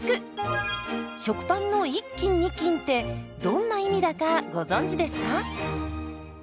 食パンの１斤２斤ってどんな意味だかご存じですか？